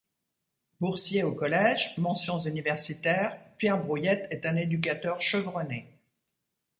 Boursier au collège, mentions universitaires, Pierre Brouillette est un éducateur chevronné.